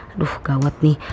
aduh gawat nih